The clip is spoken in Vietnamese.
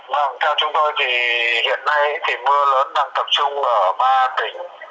vâng theo chúng tôi thì hiện nay thì mưa lớn đang tập trung ở ba tỉnh